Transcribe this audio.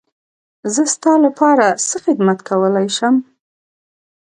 زه ستا لپاره څه خدمت کولی شم.